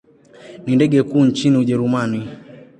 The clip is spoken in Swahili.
Ni ndege kuu nchini Ujerumani.